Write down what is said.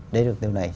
để được điều này